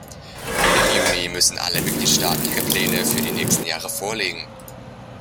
Im Juni müssen alle Mitgliedstaaten ihre Pläne für die nächsten Jahre vorlegen.